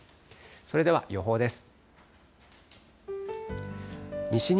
それでは予報です。